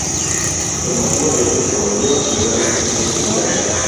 Con motivo de ello promovió actividades en muchos lugares.